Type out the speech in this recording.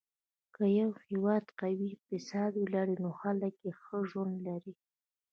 که یو هېواد قوي اقتصاد ولري، نو خلک یې ښه ژوند لري.